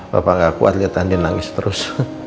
bapak gak kuat liat andien nangis terus